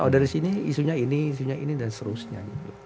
dari sini isunya ini isunya ini dan seterusnya